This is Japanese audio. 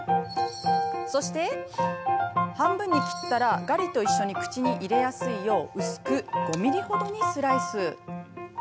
そして、半分に切ったらガリと一緒に口に入れやすいよう薄く５ｍｍ程にスライス。